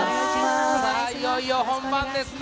さあ、いよいよ本番ですね。